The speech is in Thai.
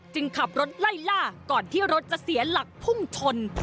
ขับรถไล่ล่าก่อนที่รถจะเสียหลักพุ่งชน